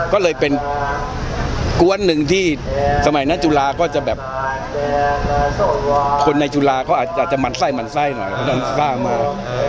ก็เลยเป็นกว้นหนึ่งที่คนในจุฬาเขาอาจจะหมั่นไส้หน่อย